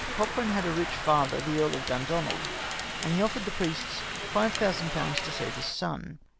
Cochran had a rich father, the Earl of Dundonald, and he offered the priests 50001. to save his son.